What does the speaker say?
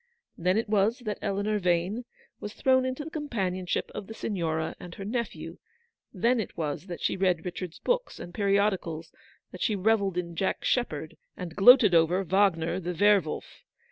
Then it was that Eleanor Vane was thrown into the companionship of the Signora and her nephew. Then it was that she read Richard's books and periodicals, that she revelled in " Jack Sheppard/' and gloated over * Wagner, the Wehr Wolf."